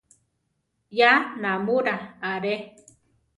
Ya námura are!